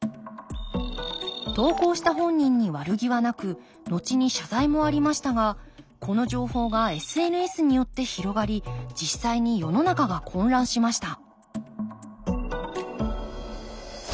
投稿した本人に悪気はなくのちに謝罪もありましたがこの情報がＳＮＳによって広がり実際に世の中が混乱しました